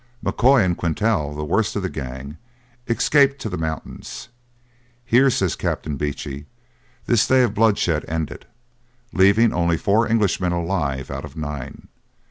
M'Koy and Quintal, the worst of the gang, escaped to the mountains. 'Here,' says Captain Beechey, 'this day of bloodshed ended, leaving only four Englishmen alive out of nine.